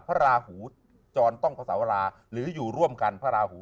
พระราถูจรต้องกับเสาราหูหรืออยู่ร่วมกัน